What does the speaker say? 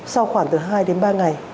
sau khoảng từ hai đến ba ngày